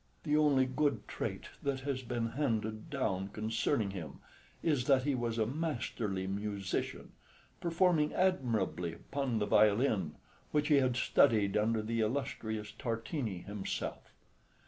The only good trait that has been handed down concerning him is that he was a masterly musician, performing admirably upon the violin, which he had studied under the illustrious Tartini himself.